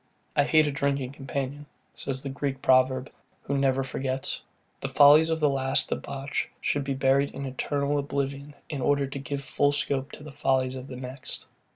I hate a drinking companion, says the Greek proverb, who never forgets. The follies of the last debauch should be buried in eternal oblivion, in order to give full scope to the follies of the next.